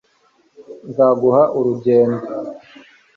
nzaguha urugendo